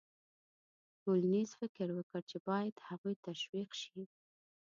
کولینز فکر وکړ چې باید هغوی تشویق شي.